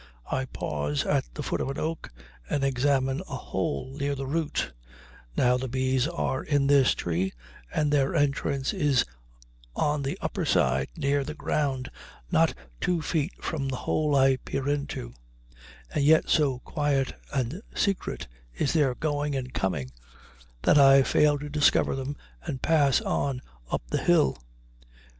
I pause at the foot of an oak and examine a hole near the root; now the bees are in this tree and their entrance is on the upper side near the ground not two feet from the hole I peer into, and yet so quiet and secret is their going and coming that I fail to discover them and pass on up the hill.